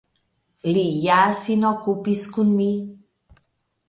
Li ja sin okupis kun mi.